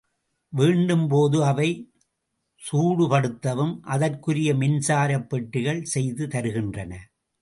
வேண்டும்போது அவை சூடுபடுத்தவும் அதற்குரிய மின்சாரப் பெட்டிகள் செய்து தருகின்றன.